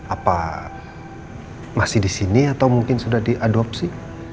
apa masih disini atau mungkin sudah diadopsi